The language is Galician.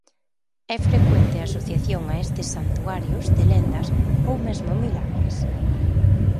É frecuente a asociación a estes santuarios de lendas, ou mesmo milagres.